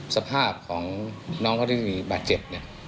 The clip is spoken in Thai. สภาพของน้องเฝ้าที่มีบาดเจ็บ